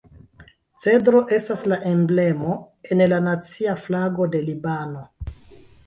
Cedro estas la emblemo en la nacia flago de Libano.